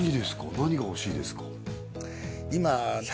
何が欲しいですか？